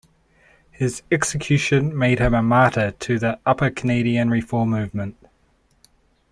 His execution made him a martyr to the Upper Canadian Reform movement.